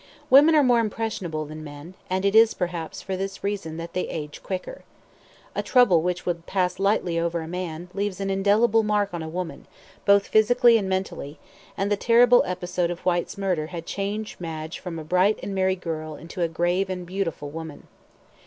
Women are more impressionable than men, and it is, perhaps, for this reason that they age quicker. A trouble which would pass lightly over a man, leaves an indelible mark on a woman, both physically and mentally, and the terrible episode of Whyte's murder had changed Madge from a bright and merry girl into a grave and beautiful woman.